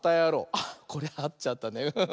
あっこれあっちゃったね。